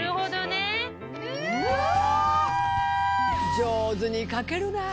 上手にかけるなあ。